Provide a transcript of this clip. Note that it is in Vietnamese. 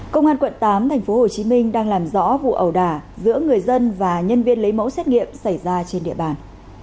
công an quận tám tp hcm đang làm rõ vụ ẩu đả giữa người dân và nhân viên lấy mẫu xét nghiệm xảy ra trên địa bàn